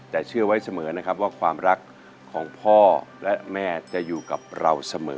แต่เชื่อไว้เสมอนะครับว่าความรักของพ่อและแม่จะอยู่กับเราเสมอ